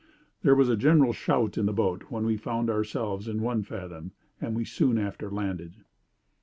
There was a general shout in the boat when we found ourselves in one fathom, and we soon after landed.'"